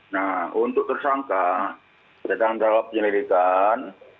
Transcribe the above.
nah untuk tersangka jalan jalan penyelidikan